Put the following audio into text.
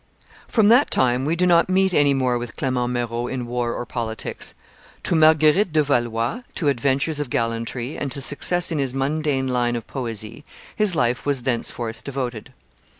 From that time we do not meet any more with Clement Marot in war or politics; to Marguerite de Valois, to adventures of gallantry, and to success in his mundane line of poesy his life was thenceforth devoted.